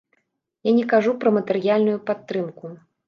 Я не кажу пра матэрыяльную падтрымку.